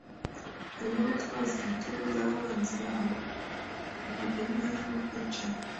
harimo gutwazwa igitugu n’abanzi babo, ubugome n’ubwicanyi